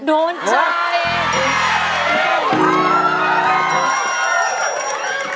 โดนใช่